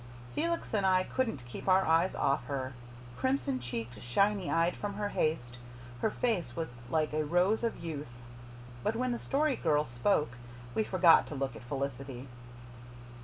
Felix and I couldn't keep our eyes off her. Crimson cheeked, shining eyed from her haste, her face was like a rose of youth. But when the Story Girl spoke, we forgot to look at Felicity.